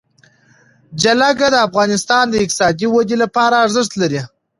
جلګه د افغانستان د اقتصادي ودې لپاره ارزښت لري.